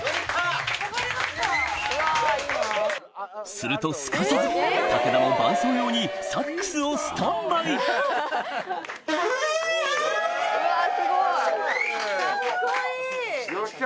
するとすかさず武田も伴奏用にサックスをスタンバイ！よっしゃ。